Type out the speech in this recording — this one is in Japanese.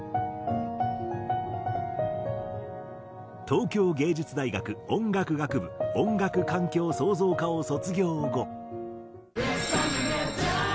東京藝術大学音楽学部音楽環境創造科を卒業後。